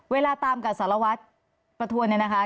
เวลาตามกับสารวัสตร์ประทับนี้นะคะ